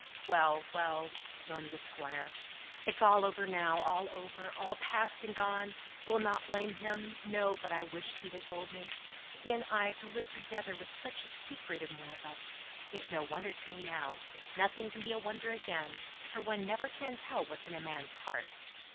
"Well, well!" moaned the Squire. "It's all over now. All over. All past and gone. We'll not blame him, no; but I wish he'd ha' told me; he and I to live together with such a secret in one of us. It's no wonder to me now nothing can be a wonder again, for one never can tell what's in a man's heart.